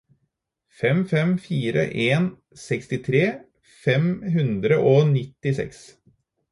fem fem fire en sekstitre fem hundre og nittiseks